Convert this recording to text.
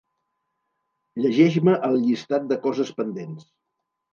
Llegeix-me el llistat de coses pendents.